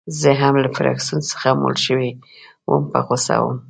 زه هم له فرګوسن څخه موړ شوی وم، په غوسه وم.